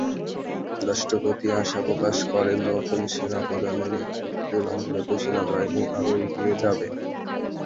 রাষ্ট্রপতি আশা প্রকাশ করেন, নতুন সেনাপ্রধানের নেতৃত্বে বাংলাদেশ সেনাবাহিনী আরও এগিয়ে যাবে।